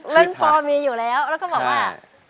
มันพอมีอยู่แล้วแล้วก็บอกว่า